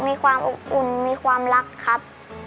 มีความอบอุ่นมีความรักครับ